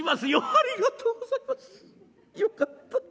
「ありがとうございます。よかった。